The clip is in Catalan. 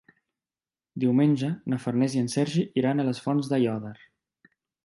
Diumenge na Farners i en Sergi iran a les Fonts d'Aiòder.